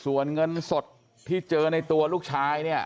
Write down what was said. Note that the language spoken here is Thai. ส่วนเงินสดที่เจอในตัวลูกชายเนี่ย